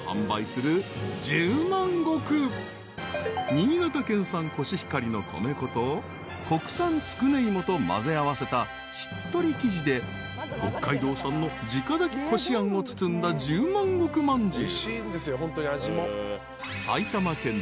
［新潟県産コシヒカリの米粉と国産つくね芋と混ぜ合わせたしっとり生地で北海道産の自家炊きこしあんを包んだ十万石まんじゅう］